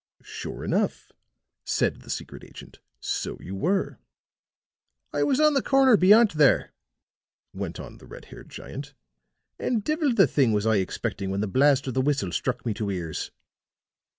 "Sure enough," said the secret agent; "so you were." "I was on the corner beyant, there," went on the red haired giant, "and divil the thing was I expecting when the blast of the whistle struck me two ears.